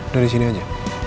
dari sini saja